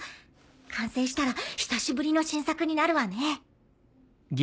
完成したら久しぶりの新作になるわね。